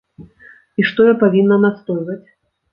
І што я павінна настойваць.